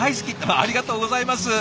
ありがとうございます！